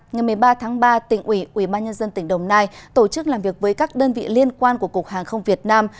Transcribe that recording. ngày một mươi ba tháng ba tỉnh ủy ủy ban nhân dân tỉnh đồng nai tổ chức làm việc với các đơn vị liên quan của cục hàng không việt nam